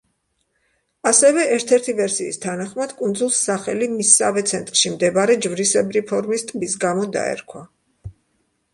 ასევე, ერთ-ერთი ვერსიის თანახმად კუნძულს სახელი მისსავე ცენტრში მდებარე ჯვრისებრი ფორმის ტბის გამო დაერქვა.